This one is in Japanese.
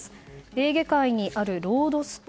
エーゲ海にあるロードス島。